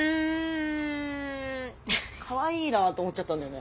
かわいいなと思っちゃったんだよね。